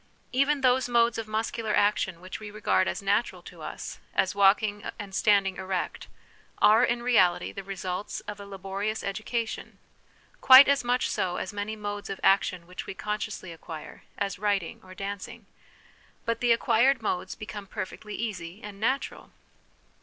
Even those modes of muscular action which \ve regard as natural to us, as walking and standing erect, are in reality the results of a laborious education ; quite as much so as many modes of action which we consciously acquire, as writing or danc ing ; but the acquired modes become perfectly easy and natural.